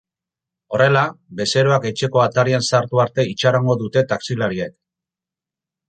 Horrela, bezeroak etxeko atarian sartu arte itxarongo dute taxilariek.